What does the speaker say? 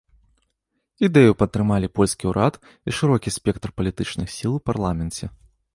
Ідэю падтрымалі польскі ўрад і шырокі спектр палітычных сіл у парламенце.